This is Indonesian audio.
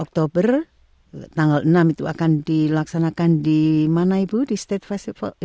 oktober tanggal enam itu akan dilaksanakan di mana ibu di state festival